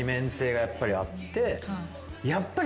やっぱり。